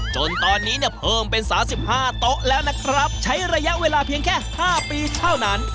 จนตอนนี้เนี่ยเพิ่มเป็น๓๕โต๊ะแล้วนะครับใช้ระยะเวลาเพียงแค่๕ปีเท่านั้น